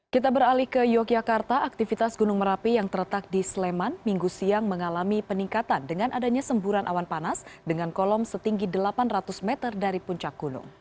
kita beralih ke yogyakarta aktivitas gunung merapi yang terletak di sleman minggu siang mengalami peningkatan dengan adanya semburan awan panas dengan kolom setinggi delapan ratus meter dari puncak gunung